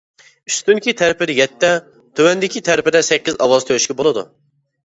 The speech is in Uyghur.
ئۈستۈنكى تەرىپىدە يەتتە، تۆۋەندىكى تەرىپىدە سەككىز ئاۋاز تۆشۈكى بولىدۇ.